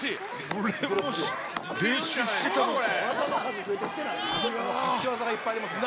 これはもう、練習してたのか。